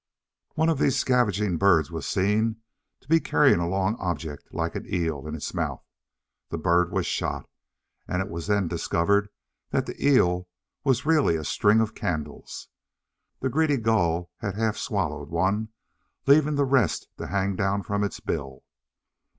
One of these scavenging birds was seen to be carrying a long object, like an eel, in its mouth. The bird was shot; and it was then discovered that the "eel" was really a string of candles! The greedy Gull had half swallowed one, leaving the rest to hang down from its bill.